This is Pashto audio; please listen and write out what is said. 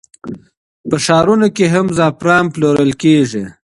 په ښارونو کې هم زعفران پلورل کېږي.